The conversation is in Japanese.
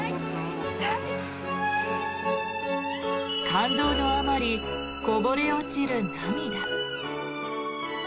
感動のあまりこぼれ落ちる涙。